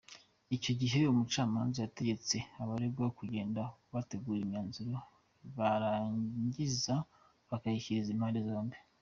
Icyo gihe umucamanza yategetse abaregwa kugenda bagategura imyanzuro barangiza bakayishyikiriza impande zombi.